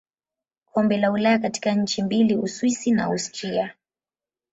Kombe la Ulaya katika nchi mbili Uswisi na Austria.